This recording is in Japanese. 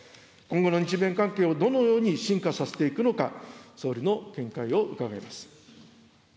今後の日米関係をどのように深化させていくのか、総理の見解を伺います。